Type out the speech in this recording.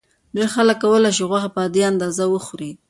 ډېر خلک کولی شي غوښه په عادي اندازه وخوري.